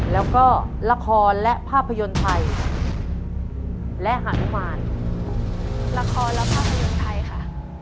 แล้วก็ละครและภาพยนตร์ไทยและฮานุมานละครและภาพยนตร์ไทยค่ะ